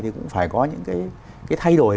thì cũng phải có những cái thay đổi